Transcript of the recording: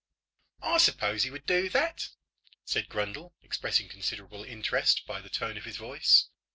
"I suppose he would do that," said Grundle, expressing considerable interest by the tone of his voice.